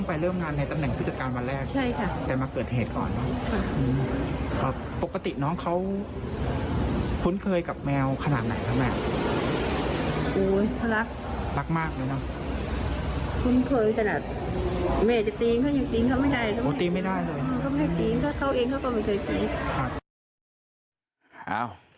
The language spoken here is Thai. ปกติน้องเขาฝุ่นเคยกับแมวขนาดไหนครับแม่